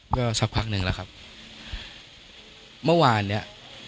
ก็สักพักหนึ่งแล้วครับเมื่อวานเนี้ย